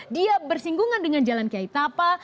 dia bersinggungan dengan jalan kiai tapa